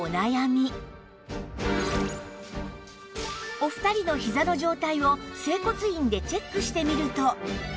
お二人のひざの状態を整骨院でチェックしてみると